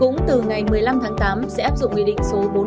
cũng từ ngày một mươi năm tháng tám sẽ áp dụng quy định số bốn mươi ba